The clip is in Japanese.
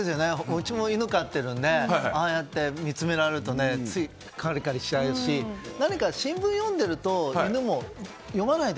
うちも犬を飼っているのでああやって見つめられるとつい、かりかりしちゃうし何か、新聞を読んでいると犬も読まないで！